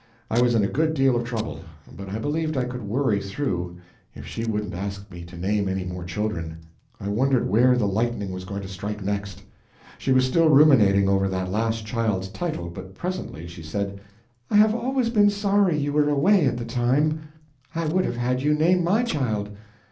I was in a good deal of trouble, but I believed I could worry through if she wouldn't ask me to name any more children. I wondered where the lightning was going to strike next. She was still ruminating over that last child's title, but presently she said: "I have always been sorry you were away at the time I would have had you name my child."